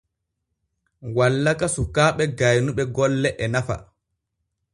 Wallaka suukaaɓe gaynuɓe golle e nafa.